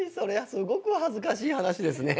すごく恥ずかしい話ですね。